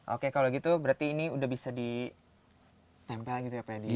oke kalau gitu berarti ini udah bisa ditempel gitu ya pak edi